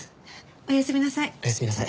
おやすみなさい。